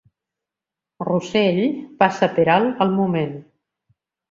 Russell passa per alt el moment.